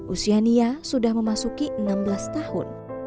usia nia sudah memasuki enam belas tahun